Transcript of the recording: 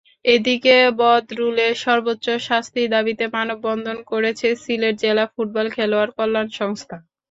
এদিকে বদরুলের সর্বোচ্চ শাস্তির দাবিতে মানববন্ধন করেছে সিলেট জেলা ফুটবল খেলোয়াড় কল্যাণ সংস্থা।